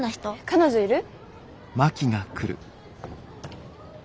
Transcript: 彼女いる？